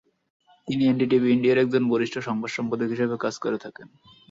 তিনি এনডিটিভি ইন্ডিয়ায় একজন বরিষ্ঠ সংবাদ সম্পাদক হিসেবে কাজ করে থাকেন।